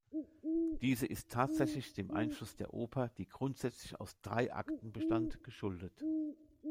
Diese ist tatsächlich dem Einfluss der Oper, die grundsätzlich aus drei Akten bestand, geschuldet.